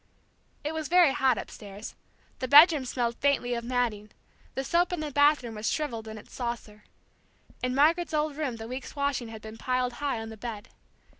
It was very hot upstairs; the bedrooms smelled faintly of matting, the soap in the bathroom was shrivelled in its saucer. In Margaret's old room the week's washing had been piled high on the bed.